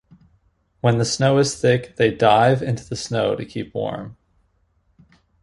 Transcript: When the snow is thick they "dive" into the snow to keep warm.